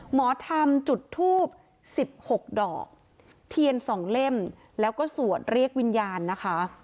หมอธรรมจุดทูบ๑๖ดอกเทียน๒เล่มแล้วก็สวดเรียกวิญญาณนะคะ